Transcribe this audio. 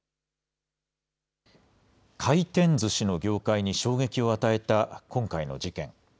回転ずしの業界に衝撃を与えた今回の事件。